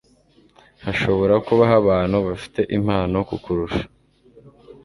Hashobora kubaho abantu bafite impano kukurusha,